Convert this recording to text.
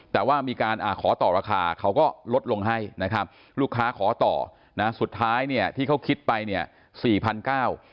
แต่ว่ามีการอ่าขอต่อราคาเขาก็ลดลงให้นะครับลูกค้าขอต่อนะสุดท้ายเนี่ยที่เขาคิดไปเนี่ยสี่พันเก้า